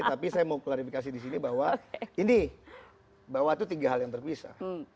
tapi saya mau klarifikasi di sini bahwa ini bahwa itu tiga hal yang terpisah